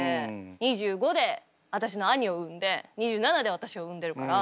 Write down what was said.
２５で私の兄を産んで２７で私を産んでるから。